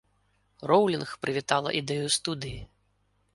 Роўлінг прывітала ідэю студыі.